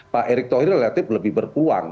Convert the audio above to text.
pak erik tohir relatif lebih berpuang